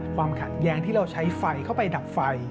ความขัดแย้งที่เราใช้ไฟเข้าไปดับไฟ